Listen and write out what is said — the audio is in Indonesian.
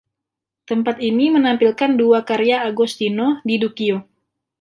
Tempat ini menampilkan dua karya Agostino di Duccio.